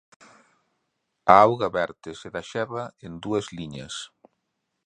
A auga vertese da xerra en dúas liñas.